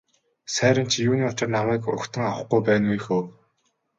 Сайран чи юуны учир намайг угтан авахгүй байна вэ хө.